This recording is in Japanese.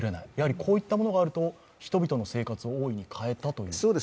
こういったものがあると、人々の生活を大いに変えたという？